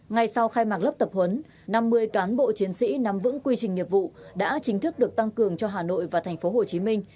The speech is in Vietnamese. ngay sau khai mạc lớp tập huấn năm mươi cán bộ chiến sĩ nắm vững quy trình nghiệp vụ đã chính thức được tăng cường cho hà nội và thành phố hồ chí minh